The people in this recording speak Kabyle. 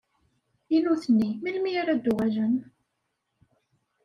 I nutni, melmi ara d-uɣalen?